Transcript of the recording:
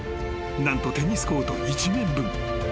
［何とテニスコート１面分］